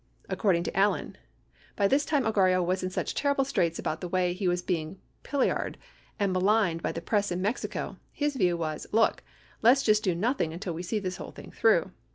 According to Allen : By this time Ogarrio was in such terrible straits about the way he was being pillaried and maligned by the press in Mex ico, his view was, look, let's just do nothing until we see this whole thing through.